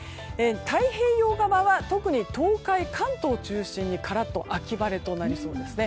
太平洋側は特に東海・関東中心にカラッと秋晴れとなりそうです。